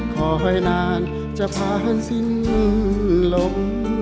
ขอให้นานจะพาทันสิ้นลม